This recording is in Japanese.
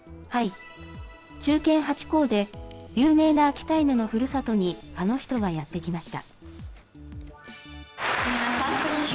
忠犬ハチ公で有名な秋田犬のふるさとにあの人がやって来ました。